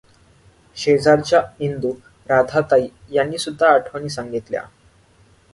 शेजारच्या इंदू, राधाताई यांनीसुद्धा आठवणी सांगितल्या.